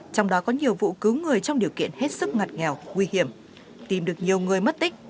trong đó có nhiều vụ cứu người trong điều kiện hết sức ngặt nghèo nguy hiểm tìm được nhiều người mất tích